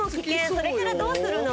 それからどうするの？